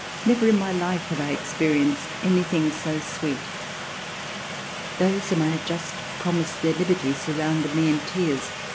Never in my life had I experienced any thing so sweet. Those whom I had just promised their liberty surrounded me In tears.